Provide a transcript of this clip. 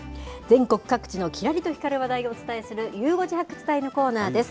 全国各地のきらりと光る話題をお伝えする、ゆう５時発掘隊のコーナーです。